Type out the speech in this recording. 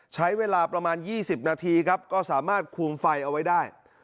ใช้เวลาประมาณ๒๐นาทีครับก็สามารถคุมไฟเอาไว้ได้